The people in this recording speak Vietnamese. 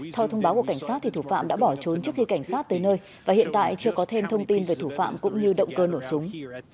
theo thông báo của cảnh sát thủ phạm đã bỏ trốn trước khi cảnh sát tới nơi và hiện tại chưa có thêm thông tin về thủ phạm cũng như động cơ nổ súng